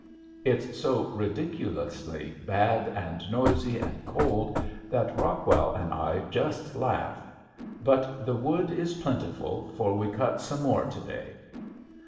It's so ridiculously bad and noisy and cold that Rockwell and I just laugh. But the wood is plentiful for we cut some more to day. [Illustration: "GET UP!"